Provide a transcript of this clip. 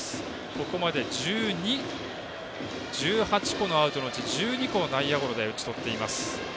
ここまで１８個のアウトのうち１２個を内野ゴロで打ち取っています。